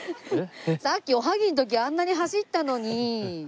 さっきおはぎの時あんなに走ったのに。